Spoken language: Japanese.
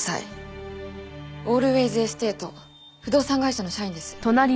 オールウェイズ・エステート不動産会社の社員です。